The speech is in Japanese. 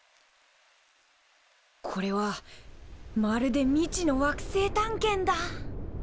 これはまるで未知の惑星探検だ。